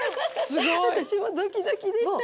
私もドキドキでした